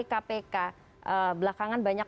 kpk belakangan banyak